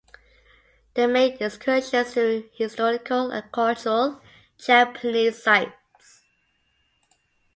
They make excursions to historical and cultural Japanese sites.